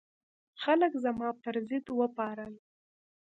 خلک زما پر ضد وپارول.